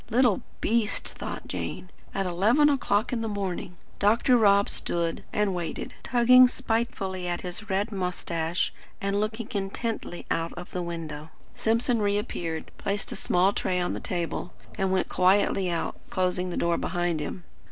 "Little beast!" thought Jane. "At eleven o'clock in the morning!". Dr. Rob stood, and waited; tugging spitefully at his red moustache, and looking intently out of the window. Simpson reappeared, placed a small tray on the table, and went quietly out, closing the door behind him.